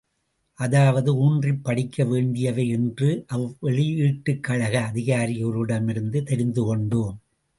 அதாவது ஊன்றிப் படிக்க வேண்டியவை என்று அவ்வெளியீட்டுக் கழக அதிகாரி ஒருவரிடமிருந்து தெரிந்து கொண்டோம்.